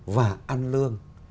và ăn lương